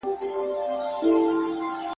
نن به ځم سبا به ځمه بس له ډار سره مي ژوند دی !.